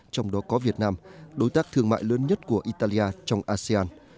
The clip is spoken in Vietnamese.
trong đó có việt nam đối tác thương mại lớn nhất của italia trong asean